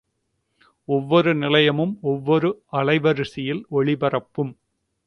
ஒவ்வொரு நிலையமும் ஒவ்வொரு அலைவரிசையில் ஒலிபரப்பும்.